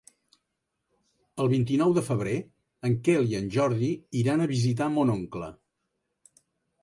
El vint-i-nou de febrer en Quel i en Jordi iran a visitar mon oncle.